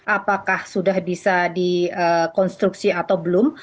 apakah sudah bisa dikonstruksi atau belum